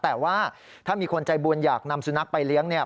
แต่ว่าถ้ามีคนใจบุญอยากนำสุนัขไปเลี้ยงเนี่ย